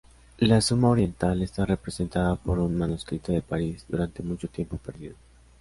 La "Suma Oriental" está representada por un manuscrito de París, durante mucho tiempo perdido.